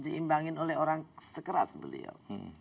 diimbangin oleh orang sekeras beliau